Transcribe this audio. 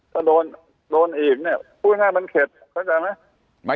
ก็โดนโดนอีกเนี้ยฟูทนง่ามันเข็ภทรอาจารนี้หมาย